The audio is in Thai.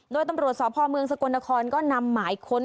โดยตำรวจสพเมืองสกลนครก็นำหมายค้น